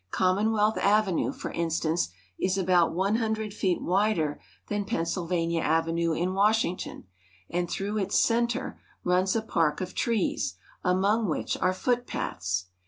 Commonwealth Avenue, for instance, is about one hundred feet wider than Penn sylvania Avenue in Washington, and through its center runs a park of trees, among which are footpaths.